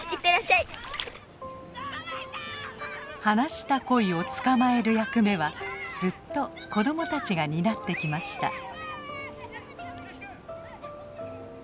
放したコイを捕まえる役目はずっと子供たちが担ってきました。